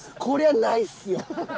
こりゃないっすよ！